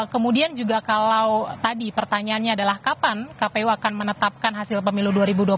kemudian juga kalau tadi pertanyaannya adalah kapan kpu akan menetapkan hasil pemilu dua ribu dua puluh empat